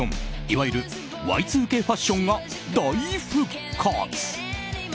いわゆるＹ２Ｋファッションが大復活。